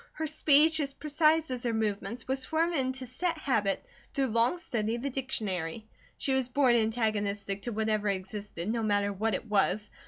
Her speech, as precise as her movements, was formed into set habit through long study of the dictionary. She was born antagonistic to whatever existed, no matter what it was.